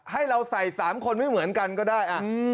ให้เราใส่๓คนไม่เหมือนกันก็ได้